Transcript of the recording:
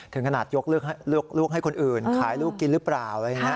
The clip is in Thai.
ถึงขนาดยกลูกให้คนอื่นขายลูกกินหรือเปล่า